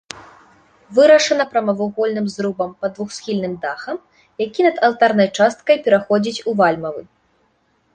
Вырашана прамавугольным зрубам пад двухсхільным дахам, які над алтарнай часткай пераходзіць у вальмавы.